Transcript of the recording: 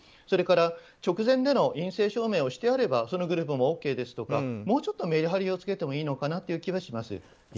それから直前での陰性証明してあればそのグループはＯＫですとかもうちょっとメリハリをつけてもいいのかなという気はします。